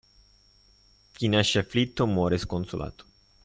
Chi nasce afflitto muore sconsolato.